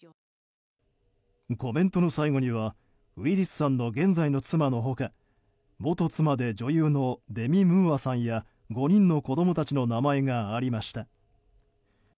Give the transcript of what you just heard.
コメントの最後にはウィリスさんの現在の妻の他元妻で女優のデミ・ムーアさんや５人の子供たちの名前がありました。